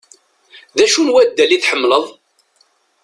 D acu n waddal i tḥemmleḍ?